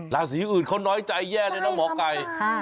ราศีอื่นเขาน้อยใจแย่เลยนะหมอไก่